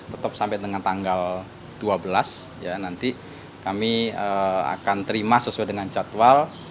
tetap sampai dengan tanggal dua belas ya nanti kami akan terima sesuai dengan jadwal